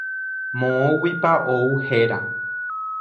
Moõguipa ou héra.